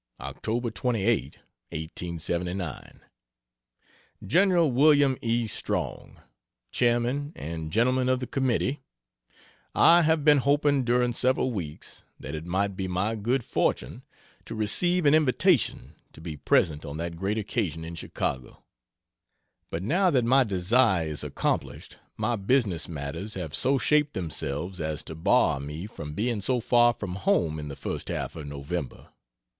Oct. 28, 1879. GEN. WM. E. STRONG, CH'M, AND GENTLEMEN OF THE COMMITTEE: I have been hoping during several weeks that it might be my good fortune to receive an invitation to be present on that great occasion in Chicago; but now that my desire is accomplished my business matters have so shaped themselves as to bar me from being so far from home in the first half of November.